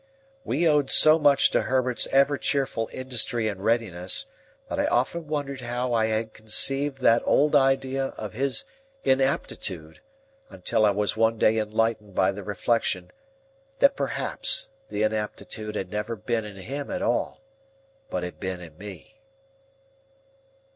We owed so much to Herbert's ever cheerful industry and readiness, that I often wondered how I had conceived that old idea of his inaptitude, until I was one day enlightened by the reflection, that perhaps the inaptitude had never been in him at all, but had been in me.